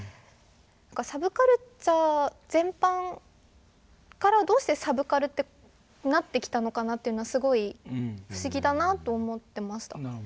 サブカルチャー全般からどうして「サブカル」ってなってきたのかなというのはすごい不思議だなと思ってました。